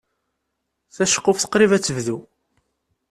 Taceqquft qrib ad tebdu.